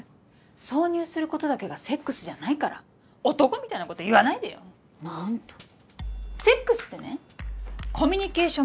挿入することだけがセックスじゃないから男みたいなこと言わないでよ何とセックスってねコミュニケーション